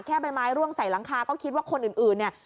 ใบไม้ร่วงใส่หลังคาก็คิดว่าคนอื่นเนี่ย